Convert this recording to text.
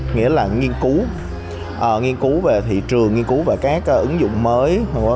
nghĩa là nghiên cứu nghiên cứu về thị trường nghiên cứu và các ứng dụng mới